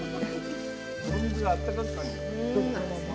井戸水はあったかく感じるか。